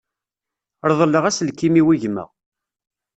Reḍleɣ aselkim-iw i gma.